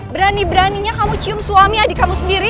berani beraninya kamu cium suami adik kamu sendiri